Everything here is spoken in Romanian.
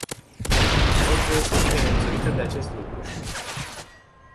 Am fost deosebit de mulțumită de acest lucru.